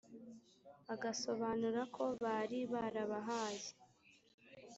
agasobanura ko bari barabahaye